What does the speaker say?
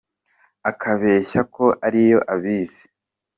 Akababeshya ko ariyo abizi